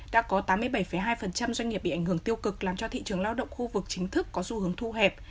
đã có tám mươi bảy hai doanh nghiệp bị ảnh hưởng tiêu cực làm cho thị trường lao động khu vực chính thức có xu hướng thu hẹp